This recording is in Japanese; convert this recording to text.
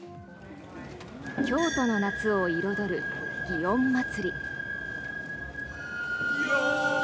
京都の夏を彩る祇園祭。